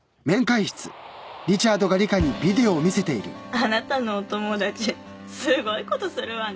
あなたのお友達すごいことするわね。